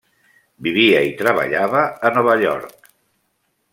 Vivia i treballava a Nova York.